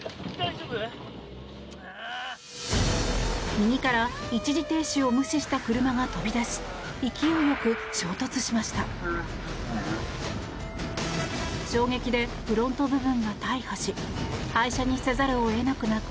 右から一時停止を無視した車が飛び出し勢いよく衝突しました。